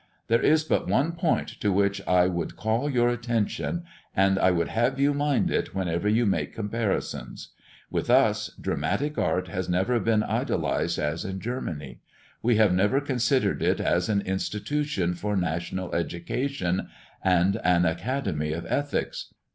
There is but one point to which I would call your attention; and I would have you mind it whenever you make comparisons. With us, dramatic art has never been idolised as in Germany; we have never considered it as an institution for national education and an academy of ethics.